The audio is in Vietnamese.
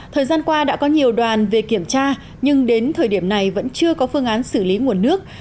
thời gian qua đã có nhiều đoàn về kiểm tra nhưng đến thời điểm này vẫn chưa có phương án xử lý nguồn nước